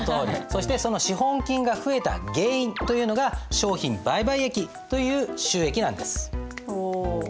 そしてその資本金が増えた原因というのが商品売買益という収益なんです。